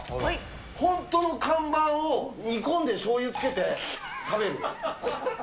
本当の看板を煮込んでしょうゆつけて食べる。